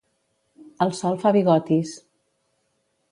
El sol fa bigotis.